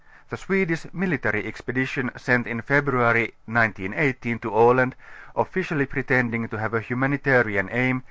The Swedish military expedition sent in February 1918 to Aland, officially pretending to have a humanitarian aim.